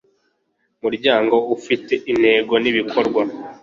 muryango ufite intego n ibikorwa